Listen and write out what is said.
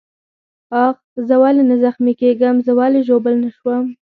آخ، زه ولې نه زخمي کېدم؟ زه ولې ژوبل نه شوم؟